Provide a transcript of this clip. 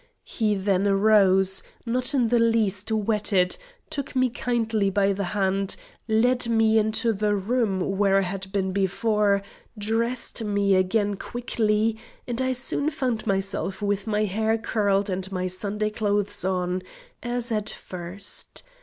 He then arose, not in the least wetted, took me kindly by the hand, led me into the room, where I had been before, dressed me again quickly, and I soon found myself with my hair curled and my Sunday clothes on, as at first.